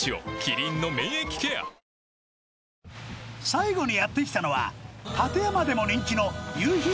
最後にやって来たのは館山でも人気の夕日